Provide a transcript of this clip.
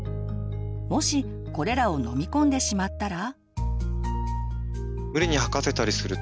もしこれらを飲み込んでしまったら？